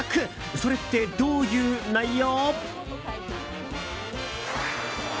それってどういう内容？